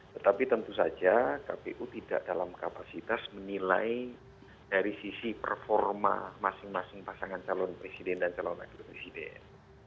tetapi tentu saja kpu tidak dalam kapasitas menilai dari sisi performa masing masing pasangan calon presiden dan calon wakil presiden